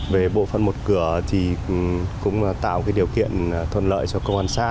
về bộ phận một cửa thì cũng tạo điều kiện thuận lợi cho công an xã